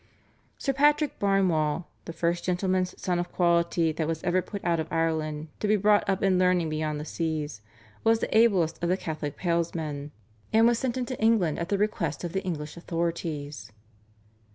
Sir Patrick Barnewall, "the first gentleman's son of quality that was ever put out of Ireland to be brought up in learning beyond the seas" was the ablest of the Catholic Palesmen, and was sent into England at the request of the English authorities.